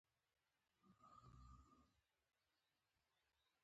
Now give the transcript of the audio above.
د اوبیزو سرچینو او څړځایونو پرسر پر شخړو اخته وو.